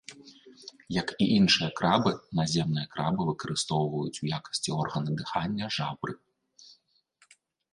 Як і іншыя крабы, наземныя крабы выкарыстоўваюць у якасці органа дыхання жабры.